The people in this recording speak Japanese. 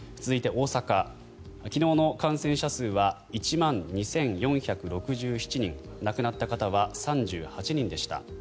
続いて、大阪昨日の感染者数は１万２４６７人亡くなった方は３８人でした。